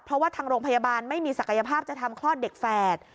เพราะว่าทางโรงพยาบาลไม่มีศักยภาพจะทำคลอดเด็กแฝด